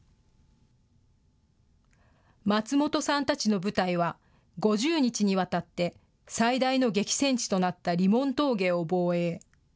松本さんたちの部隊は、５０日にわたって最大の激戦地となったリモン峠を防衛。